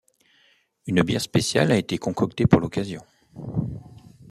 Une bière spéciale a été concoctée pour l'occasion.